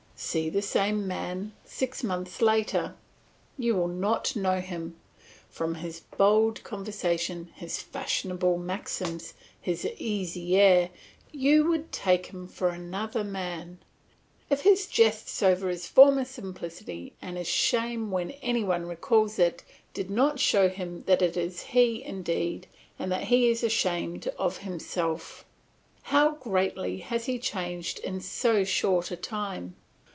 See the same young man six months later, you will not know him; from his bold conversation, his fashionable maxims, his easy air, you would take him for another man, if his jests over his former simplicity and his shame when any one recalls it did not show that it is he indeed and that he is ashamed of himself. How greatly has he changed in so short a time!